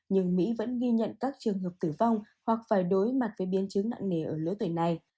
nhưng mỹ vẫn ghi nhận các trường hợp tử vong hoặc phải đối mặt với biến chứng nặng nề ở lứa tuổi này